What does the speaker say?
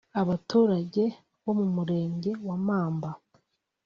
Abaturage bo mu Murenge wa Mamba